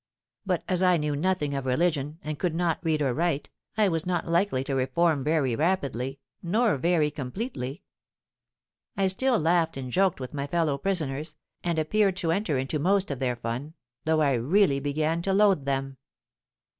But as I knew nothing of religion, and could not read or write, I was not likely to reform very rapidly nor very completely. I still laughed and joked with my fellow prisoners, and appeared to enter into most of their fun, though I really began to loathe them.